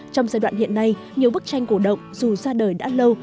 trong giai đoạn hiện nay nhiều bức tranh cổ động dù ra đời đã lâu